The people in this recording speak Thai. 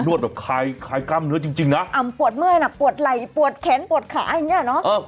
วดแบบคลายกล้ามเนื้อจริงนะอำปวดเมื่อยน่ะปวดไหล่ปวดแขนปวดขาอย่างเงี้ยเนอะ